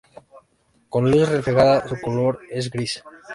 Con luz reflejada su color es gris.